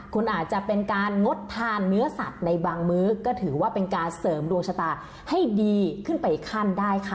คุณอาจจะเป็นการงดทานเนื้อสัตว์ในบางมื้อก็ถือว่าเป็นการเสริมดวงชะตาให้ดีขึ้นไปอีกขั้นได้ค่ะ